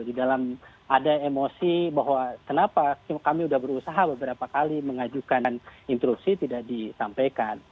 di dalam ada emosi bahwa kenapa kami sudah berusaha beberapa kali mengajukan intruksi tidak disampaikan